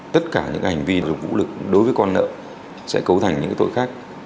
tất cả những hành vi vụ lực đối với con nợ sẽ cấu thành những tội khác